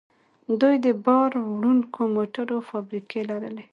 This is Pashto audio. دوی د بار وړونکو موټرو فابریکې لري.